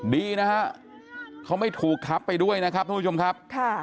ดีนะฮะเขาไม่ถูกทับไปด้วยนะครับทุกผู้ชมครับ